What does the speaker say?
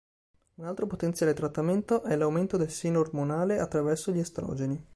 Un altro potenziale trattamento è l'aumento del seno ormonale attraverso gli estrogeni.